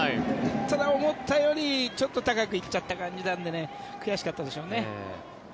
ただ、思ったよりちょっと高く行っちゃった感じなので悔しかったでしょうね。